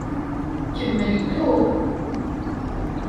Kemmel ddu.